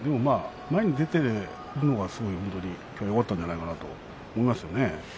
前に出ているのがよかったんじゃないかと思いますね。